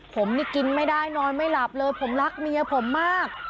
ผมนี่กินไม่ได้นอนไม่หลับเลยผมรักเมียผมมาก